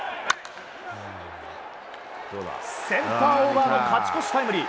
センターオーバーの勝ち越しタイムリー。